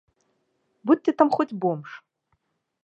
Будзь ты там хоць бомж.